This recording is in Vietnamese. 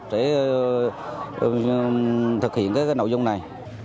để thực hiện cái nội dung này